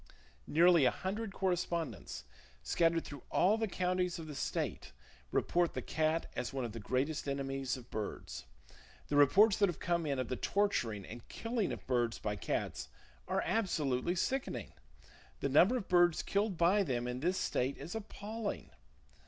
Nearly a hundred correspondents, scattered through all the counties of the state, report the cat as one of the greatest enemies of birds. The reports that have come in of the torturing and killing of birds by cats are absolutely sickening. The number of birds killed by them in this state is appalling.